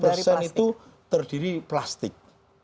tujuh belas persen itu terdiri plastik